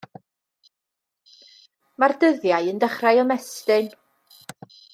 Mae'r dyddiau yn dechrau ymestyn.